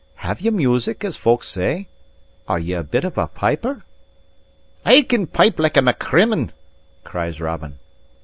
Have ye music, as folk say? Are ye a bit of a piper?" * Rumour. "I can pipe like a Macrimmon!" cries Robin.